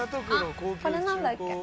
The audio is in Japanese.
これなんだっけ？